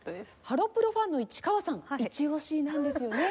ハロプロファンの市川さんイチオシなんですよね？